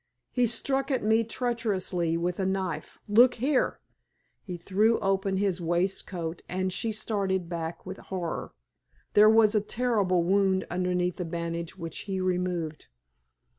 He struck at me treacherously with a knife. Look here!" He threw open his waistcoat, and she started back with horror. There was a terrible wound underneath the bandage which he removed.